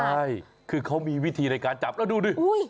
ใช่คือเขามีวิธีในการจับแล้วดูดิ